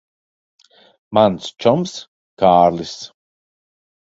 Mans čoms Kārlis.